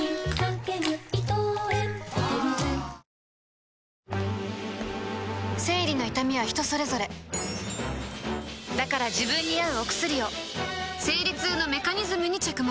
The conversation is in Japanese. そして生理の痛みは人それぞれだから自分に合うお薬を生理痛のメカニズムに着目